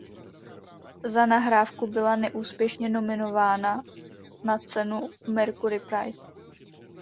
Za nahrávku byla neúspěšně nominována na cenu Mercury Prize.